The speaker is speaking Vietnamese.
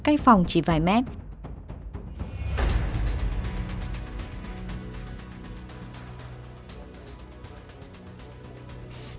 cách phòng chỉ vài miễn phí